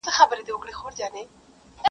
o سړی وایې کورته غل نه دی راغلی,